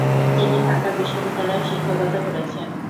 তিনি ঢাকা বিশ্ববিদ্যালয়েও শিক্ষকতা করেছেন।